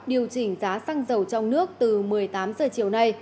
điều chỉnh giá xăng dầu trong nước từ một mươi tám h chiều nay